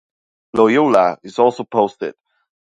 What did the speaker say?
Loyola also posted.